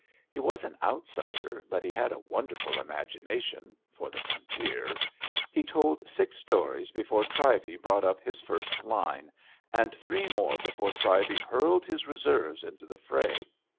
He was an outsider, but he had a wonderful imagination — ^f or the frontier. He told six stories before Trivey brought up his first line, and three more before Trivey hurled his reserves into the fray.